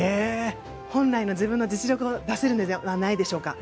本来の自分の実力を出せるんじゃないでしょうか。